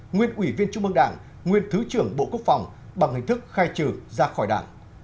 nguyên ủy viên trung mương đảng nguyên thứ trưởng bộ quốc phòng bằng hình thức khai trừ ra khỏi đảng